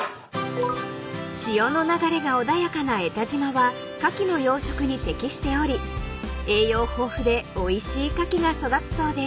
［潮の流れが穏やかな江田島はカキの養殖に適しており栄養豊富でおいしいカキが育つそうです］